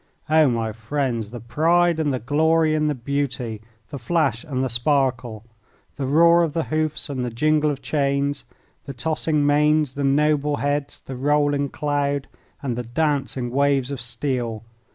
Oh, my friends, the pride and the glory and the beauty, the flash and the sparkle, the roar of the hoofs and the jingle of chains, the tossing manes, the noble heads, the rolling cloud, and the dancing waves of steel!